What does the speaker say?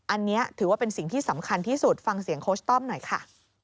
อันนี้ถือว่าเป็นสิ่งที่สำคัญที่สุดฟังเสียงโคชต้อมหน่อยค่ะ